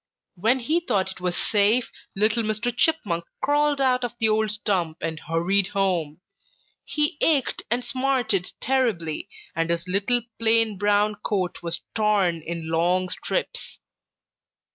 When he thought it was safe, little Mr. Chipmunk crawled out of the old stump and hurried home. He ached and smarted terribly, and his little plain brown coat was torn in long strips.